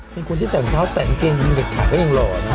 เป็นคนที่แต่งเช้าแต่งเกงมีเด็กขาดก็ยังหล่อนะ